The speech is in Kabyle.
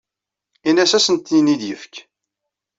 Ini-as ad asent-ten-id-yefk.